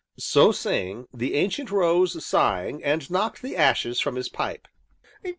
So saying, the Ancient rose, sighing, and knocked the ashes from his pipe.